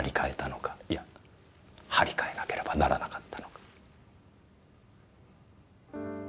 いや張り替えなければならなかったのか？